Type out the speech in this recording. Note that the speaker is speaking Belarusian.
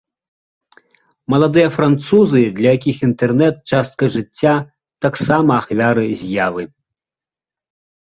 Маладыя французы, для якіх інтэрнэт-частка жыцця, таксама ахвяры з'явы.